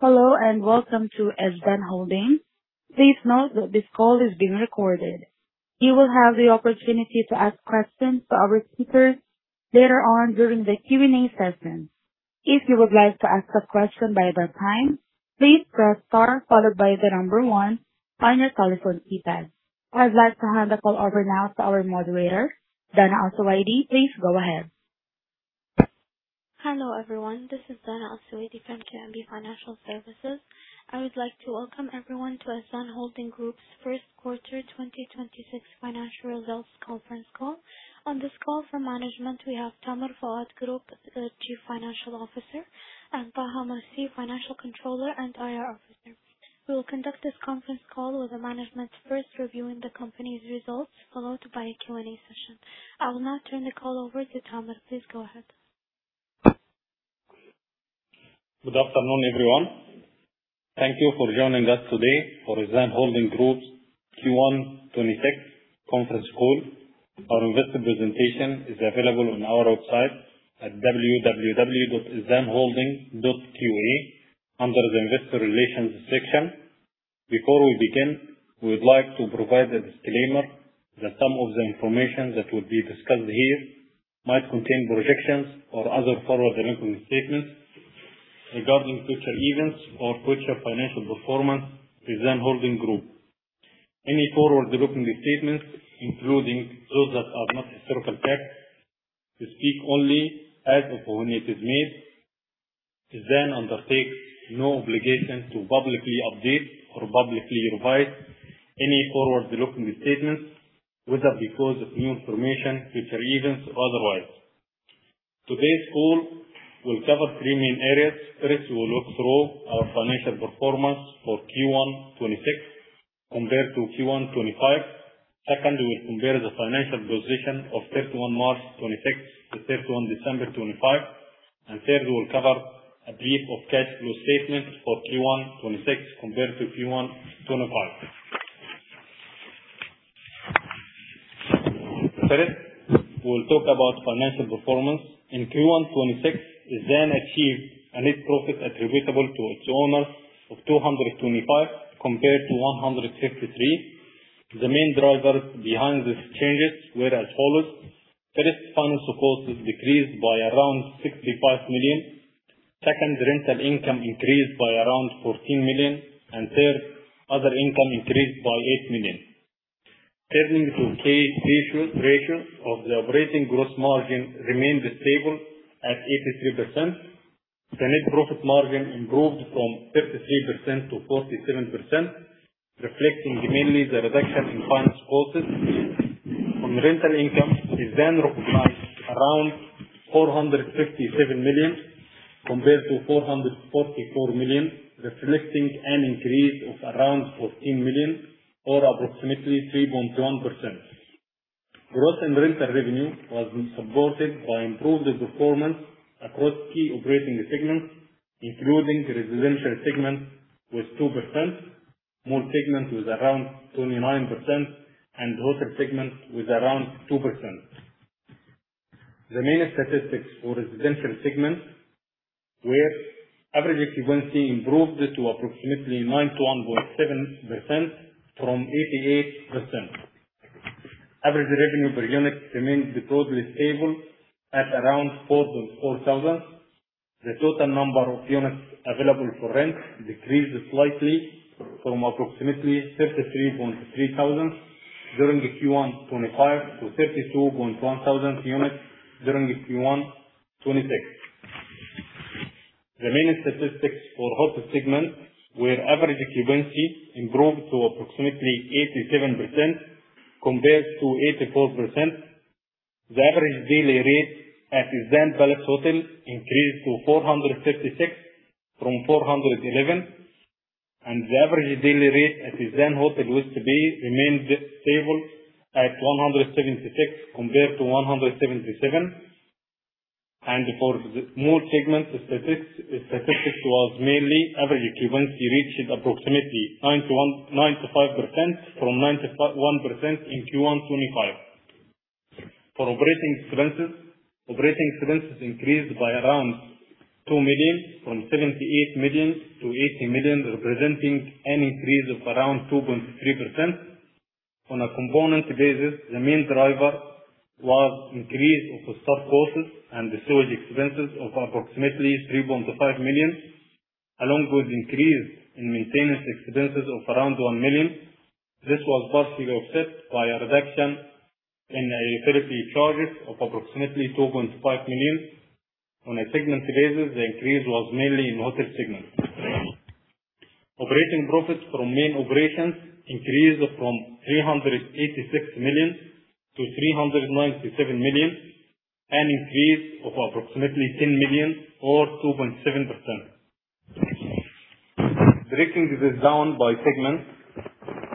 Hello, and welcome to Ezdan Holding Group. Please note that this call is being recorded. You will have the opportunity to ask questions to our speakers later on during the Q&A session. If you would like to ask a question by that time, please press Star followed by the number one on your telephone keypad. I'd like to hand the call over now to our moderator, Dana Al Sowaidi. Please go ahead. Hello, everyone. This is Dana Al Sowaidi from QNB Financial Services. I would like to welcome everyone to Ezdan Holding Group's first quarter 2026 financial results conference call. On this call for management, we have Tamer Fouad, the Chief Financial Officer, and Taha Moursi, Financial Controller and IR Officer. We will conduct this conference call with the management first reviewing the company's results, followed by a Q&A session. I will now turn the call over to Tamer. Please go ahead. Good afternoon, everyone. Thank you for joining us today for Ezdan Holding Group's Q1 2026 conference call. Our investor presentation is available on our website at www.ezdanholding.qa under the Investor Relations section. Before we begin, we would like to provide a disclaimer that some of the information that will be discussed here might contain projections or other forward-looking statements regarding future events or future financial performance of Ezdan Holding Group. Any forward-looking statements, including those that are not historical facts, speak only as of when it is made. Ezdan undertakes no obligation to publicly update or publicly revise any forward-looking statements, whether because of new information, future events or otherwise. Today's call will cover three main areas. First, we will look through our financial performance for Q1 2026 compared to Q1 2025. Second, we will compare the financial position of 31 March 2026 to 31 December 2025. Third, we will cover a brief of cash flow statement for Q1 2026 compared to Q1 2025. First, we'll talk about financial performance. In Q1 2026, Ezdan achieved a net profit attributable to its owners of 225 million compared to 153 million. The main drivers behind these changes were as follows. First, finance costs decreased by around 65 million. Second, rental income increased by around 14 million. Third, other income increased by 8 million. Turning to key ratios, ratio of the operating gross margin remained stable at 83%. The net profit margin improved from 53% to 47%, reflecting mainly the reduction in finance costs. On rental income, Ezdan recognized around 457 million compared to 444 million, reflecting an increase of around 14 million or approximately 3.1%. Growth in rental revenue was supported by improved performance across key operating segments, including residential segment with 2%, mall segment with around 29%, and hotel segment with around 2%. The main statistics for residential segment were average occupancy improved to approximately 91.7% from 88%. Average revenue per unit remained broadly stable at around 4,400. The total number of units available for rent decreased slightly from approximately 33,300 during the Q1 2025 to 32,100 units during the Q1 2026. The main statistics for hotel segment were average occupancy improved to approximately 87% compared to 84%. The average daily rate at Ezdan Palace Hotel increased to QAR 456 from 411. The average daily rate at Ezdan Hotel, West Bay remained stable at 176 compared to 177. For the mall segment statistics was mainly average occupancy reached approximately 95% from 91% in Q1 2025. Operating expenses increased by around 2 million from 78 million to 80 million, representing an increase of around 2.3%. On a component basis, the main driver was increase of staff costs and the sewage expenses of approximately 3.5 million, along with increase in maintenance expenses of around 1 million. This was partially offset by a reduction in utility charges of approximately 2.5 million. On a segment basis, the increase was mainly in hotel segment. Operating profits from main operations increased from 386 million to 397 million, an increase of approximately 10 million or 2.7%. Breaking this down by segment.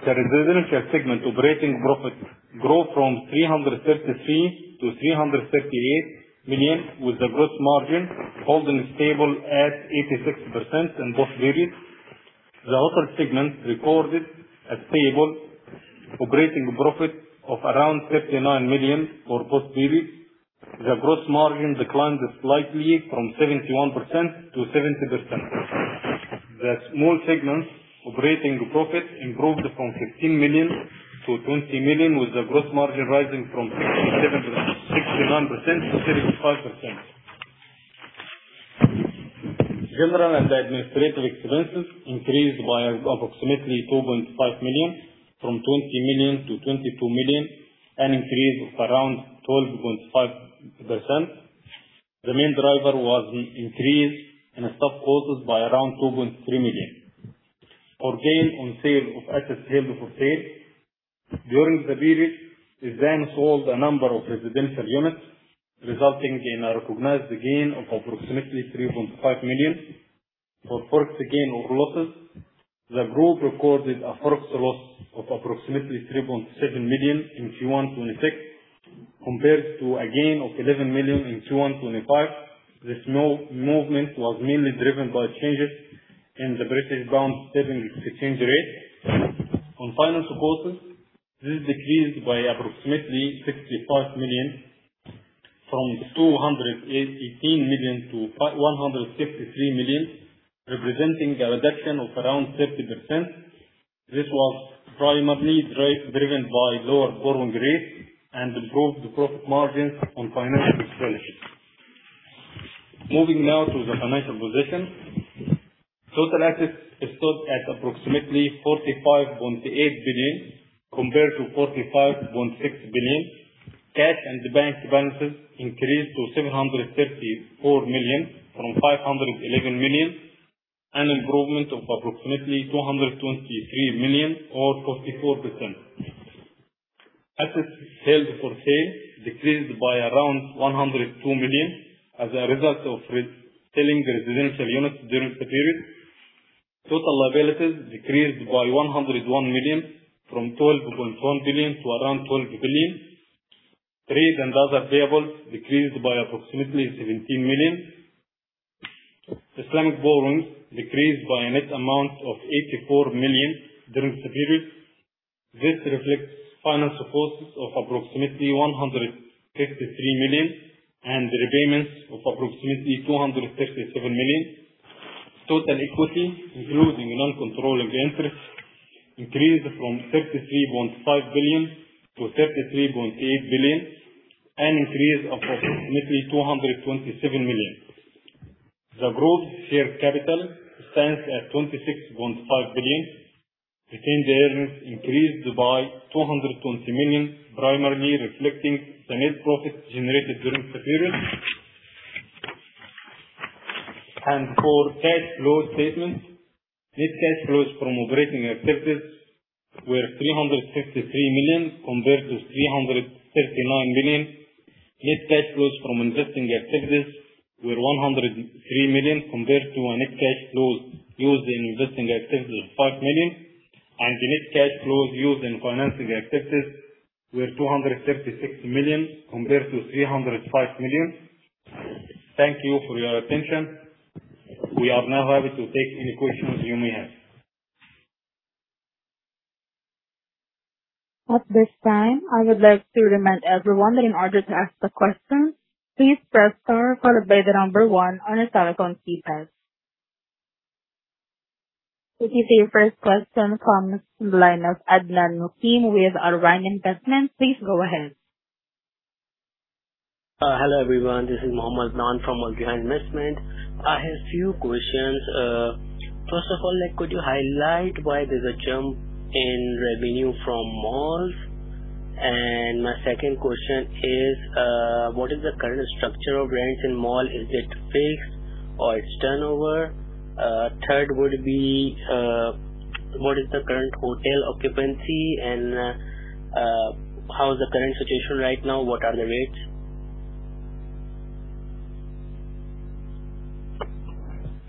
The residential segment operating profit grew from 333 million to 338 million, with the gross margin holding stable at 86% in both periods. The hotel segment recorded a stable operating profit of around 59 million for both periods. The gross margin declined slightly from 71% to 70%. The mall segment operating profit improved from 15 million to 20 million, with the gross margin rising from 69% to 75%. General and administrative expenses increased by approximately 2.5 million from 20 million to 22 million, an increase of around 12.5%. The main driver was the increase in stock costs by around 2.3 million. For gain on sale of assets held for sale. During the period, Ezdan sold a number of residential units, resulting in a recognized gain of approximately 3.5 million. For FX gain or losses, the group recorded a FX loss of approximately 3.7 million in Q1 2026 compared to a gain of 11 million in Q1 2025. This movement was mainly driven by changes in the British pound sterling exchange rate. On financial costs, this decreased by approximately 65 million from 218 million to 163 million, representing a reduction of around 30%. This was primarily driven by lower borrowing rates and improved profit margins on financial establishments. Moving now to the financial position. Total assets stood at approximately 45.8 billion compared to 45.6 billion. Cash and bank balances increased to 734 million from 511 million, an improvement of approximately 223 million or 44%. Assets held for sale decreased by around 102 million as a result of reselling residential units during the period. Total liabilities decreased by 101 million from 12.1 billion to around 12 billion. Trade and other payables decreased by approximately 17 million. Islamic borrowings decreased by a net amount of 84 million during the period. This reflects financial costs of approximately 163 million and repayments of approximately 237 million. Total equity, including non-controlling interest, increased from 33.5 billion to 33.8 billion, an increase of approximately 227 million. The group's share capital stands at 26.5 billion. Retained earnings increased by 220 million, primarily reflecting the net profit generated during the period. For cash flow statement, net cash flows from operating activities were 353 million compared to 339 million. Net cash flows from investing activities were 103 million compared to a net cash flows used in investing activities of 5 million. The net cash flows used in financing activities were 236 million compared to 305 million. Thank you for your attention. We are now happy to take any questions you may have. At this time, I would like to remind everyone that in order to ask the question, please press star followed by the number one on your telephone keypad. Okay. Your first question comes in the line of Adnan Mukim with Argan Investment. Please go ahead. Hello everyone. This is Mohamed Laaouan from Argan Investment. I have few questions. First of all, like could you highlight why there's a jump in revenue from malls? My second question is, what is the current structure of rents in mall? Is it fixed or it's turnover? Third would be, what is the current hotel occupancy and, how is the current situation right now? What are the rates?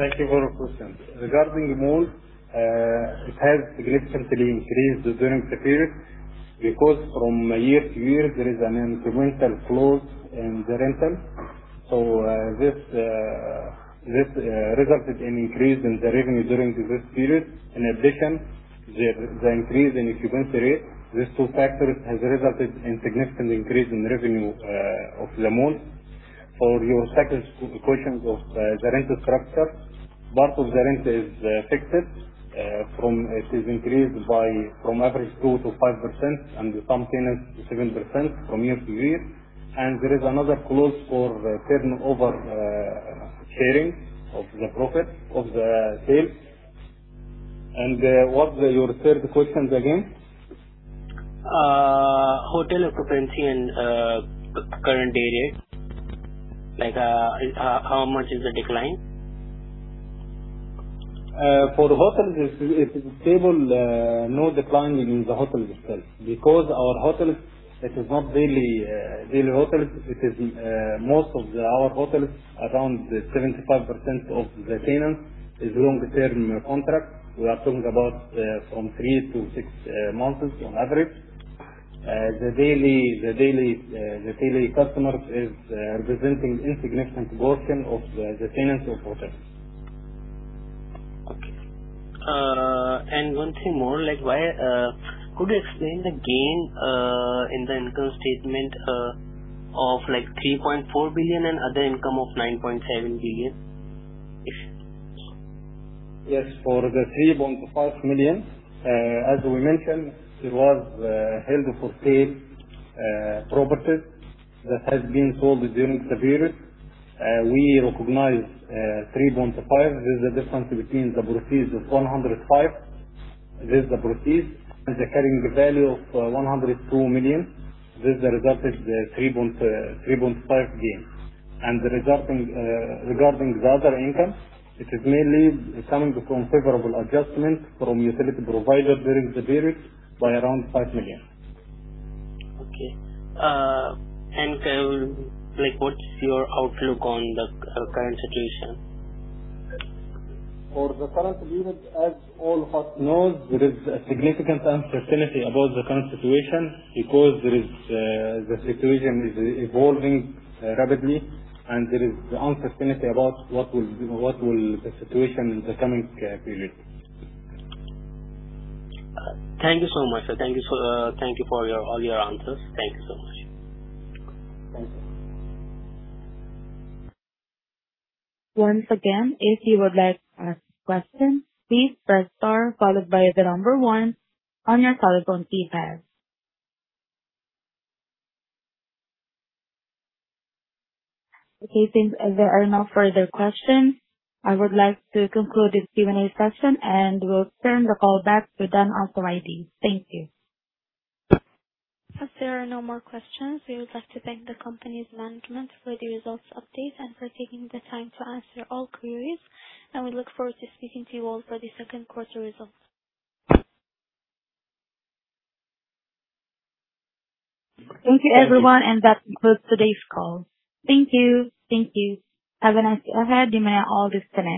Thank you for your questions. Regarding malls, it has significantly increased during the period because from year to year there is an incremental clause in the rental. This resulted in increase in the revenue during this period. In addition, the increase in occupancy rate. These two factors has resulted in significant increase in revenue of the malls. For your second questions of the rental structure, part of the rent is fixed, from it is increased by from average 2%-5% and some tenants 7% from year to year. What's your third questions again? Hotel occupancy and current day rate. Like, how much is the decline? For the hotels, it's stable. No decline in the hotels itself. Because our hotels, it is not really real hotels. It is most of the our hotels, around 75% of the tenants is long-term contract. We are talking about from 3-6 months on average. The daily customers is representing insignificant portion of the tenants of hotels. Okay. One thing more, like why could you explain the gain in the income statement of like 3.4 billion and other income of 9.7 billion, if- For the 3.5 million, as we mentioned, it was held for sale properties that has been sold during the period. We recognize 3.5 million. There's a difference between the proceeds of 105 million and the carrying value of 102 million. This resulted the 3.5 million gain. Regarding the other income, it is mainly coming from favorable adjustments from utility provider during the period by around 5 million. Okay. Like, what's your outlook on the current situation? For the current period, as all of us knows, there is a significant uncertainty about the current situation because the situation is evolving rapidly, and there is the uncertainty about what will the situation in the coming period. Thank you so much, sir. Thank you for all your answers. Thank you so much. Thank you. Once again, if you would like to ask questions, please press star followed by the number one on your telephone keypad. Okay, since there are no further questions, I would like to conclude this Q&A session, and we'll turn the call back to Dana Al Sowaidi. Thank you. As there are no more questions, we would like to thank the company's management for the results update and for taking the time to answer all queries, and we look forward to speaking to you all for the second quarter results. Thank you, everyone, and that concludes today's call. Thank you. Thank you. Have a nice day ahead. You may all disconnect.